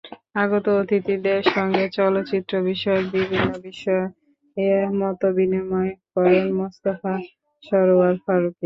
আগত অতিথিদের সঙ্গে চলচ্চিত্র বিষয়ক বিভিন্ন বিষয়ে মতবিনিময় করেন মোস্তফা সরওয়ার ফারুকী।